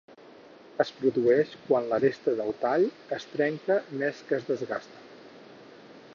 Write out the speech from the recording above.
Es produeix quan l'aresta del tall es trenca més que es desgasta.